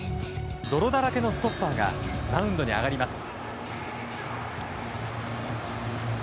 泥だらけのストッパーがマウンドに上がります。